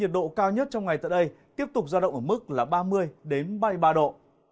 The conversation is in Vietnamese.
nhiệt độ cao nhất trong ngày tại đây tiếp tục ra động ở mức là ba mươi ba mươi ba độ